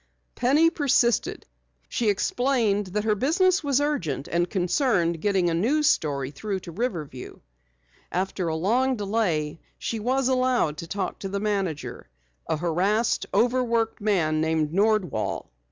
Penny persisted. She explained that her business was urgent and concerned getting a news story through to Riverview. After a long delay she was allowed to talk to the manager, a harassed, over worked man named Nordwall.